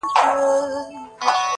خدايه سندرو کي مي ژوند ونغاړه.